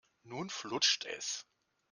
Nun flutscht es.